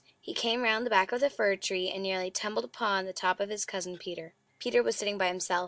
He came round the back of the fir tree, and nearly tumbled upon the top of his Cousin Peter. Peter was sitting by himself.